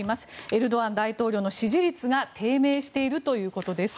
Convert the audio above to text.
エルドアン大統領の支持率が低迷しているということです。